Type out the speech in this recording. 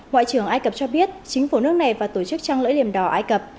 ngoại trưởng ai cập cho biết chính phủ nước này và tổ chức trăng lưỡi liềm đỏ ai cập